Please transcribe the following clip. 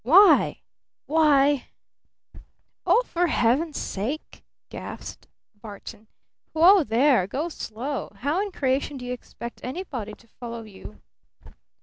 Why why " "Oh, for Heaven's sake!" gasped Barton. "Whoa there! Go slow! How in creation do you expect anybody to follow you?"